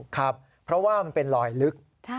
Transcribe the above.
ครับเพราะว่ามันเป็นลอยลึก